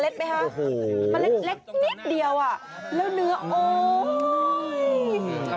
ใช่ค่ะ